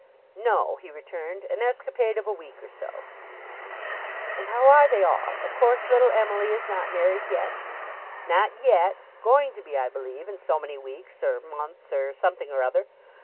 'No,' he returned. 'An escapade of a week or so.' 'And how are they all? Of course, little Emily is not married yet?' 'Not yet. Going to be, I believe in so many weeks, or months, or something or other.